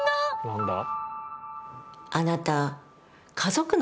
何だ？